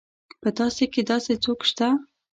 په تاسي کې داسې څوک شته.